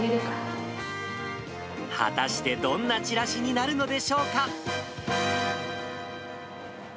果たして、どんなチラシになるのでしょうか。